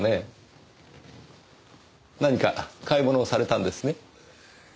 何か買い物をされたんですね？